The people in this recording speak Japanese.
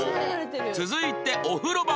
続いてお風呂場を調査！